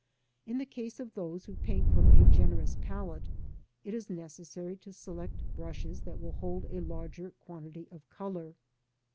In the case of those who paint from a generous palette, it is necessary to select brushes that will hold a larger quantity of colour.